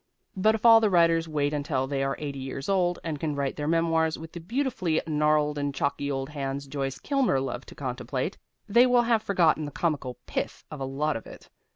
But if all the writers wait until they are eighty years old and can write their memoirs with the beautifully gnarled and chalky old hands Joyce Kilmer loved to contemplate, they will have forgotten the comical pith of a lot of it.